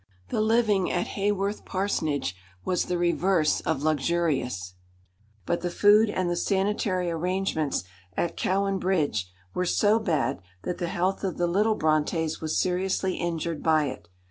The living at Haworth parsonage was the reverse of luxurious, but the food and the sanitary arrangements at Cowan Bridge were so bad that the health of the little Brontës was seriously injured by it.